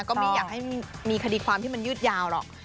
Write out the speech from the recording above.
ก็ไม่อยากให้มีคดีความที่มันยืดยาวหรอก